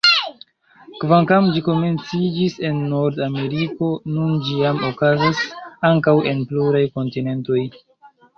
Kvankam ĝi komenciĝis en Nord-Ameriko, nun ĝi jam okazas ankaŭ en pluraj kontinentoj.